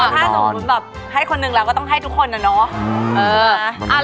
ถ้าสมมุติแบบให้คนหนึ่งแล้วก็ต้องให้ทุกคนนะเนาะ